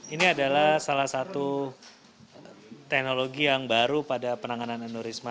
ini adalah salah satu teknologi yang baru pada penanganan aniorisma